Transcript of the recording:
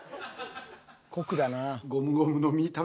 ［酷だな］